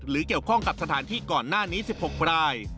เกี่ยวข้องกับสถานที่ก่อนหน้านี้๑๖ราย